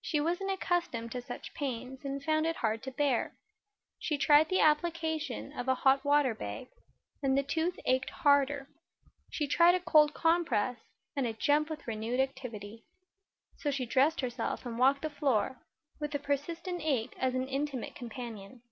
She wasn't accustomed to such pains and found it hard to bear. She tried the application of a hot water bag, and the tooth ached harder; she tried a cold compress, and it jumped with renewed activity. So she dressed herself and walked the floor, with the persistent ache as an intimate companion.